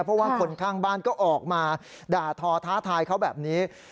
เพราะว่าคนข้างบ้านก็ออกมาด่าทอท้าทายเขาแบบนี้